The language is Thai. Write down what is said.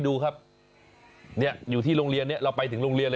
แดงอ่ะว้างเนี่ย